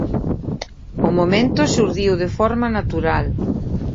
O momento xurdiu de forma natural.